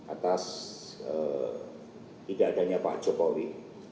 atas tidak adanya pak jokowi